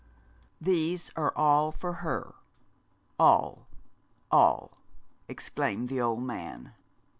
'These are all for her all all,' exclaimed the old man.